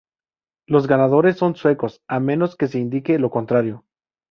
Los ganadores son suecos, a menos que se indique lo contrario.